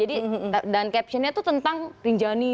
dan captionnya tuh tentang rinjani